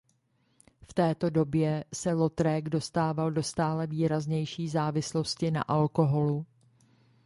V této době se Lautrec dostával do stále výraznější závislosti na alkoholu.